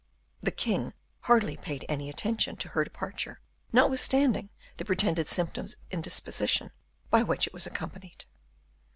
The king hardly paid any attention to her departure, notwithstanding the pretended symptoms of indisposition by which it was accompanied.